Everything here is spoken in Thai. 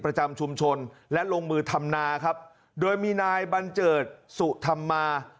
ประจำชุมชนและลงมือทำนาครับโดยมีนายบัญเจิดสุธรรมา